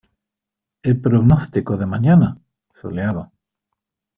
¿ El pronóstico de mañana? Soleado.